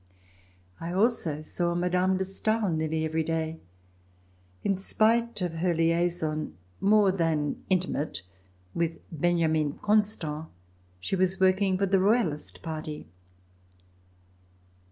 I also saw Mme. de Stael nearly every day. In spite of her liaison more than intimate with Benjamin Constant, she was working for the Royalist Party.